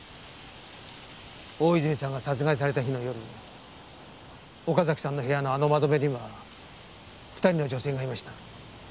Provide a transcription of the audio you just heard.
大泉さんが殺害された日の夜岡崎さんの部屋のあの窓辺には２人の女性がいました。